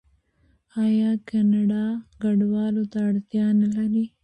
آیا کاناډا کډوالو ته اړتیا نلري؟